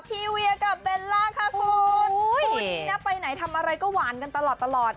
เวียกับเบลล่าค่ะคุณคู่นี้นะไปไหนทำอะไรก็หวานกันตลอดตลอด